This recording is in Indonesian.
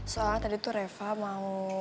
soalnya tadi tuh reva mau